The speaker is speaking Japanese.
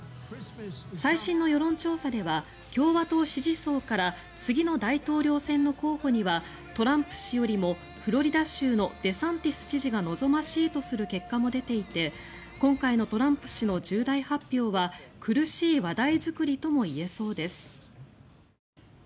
最新の世論調査では共和党支持層から次の大統領選の候補にはトランプ氏よりもフロリダ州のデサンティス知事が望ましいとする結果も出ていて今回のトランプ氏の重大発表は苦しい話題作りともいえそうです。